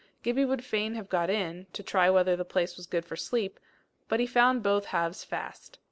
Gibbie would fain have got in, to try whether the place was good for sleep; but he found both halves fast.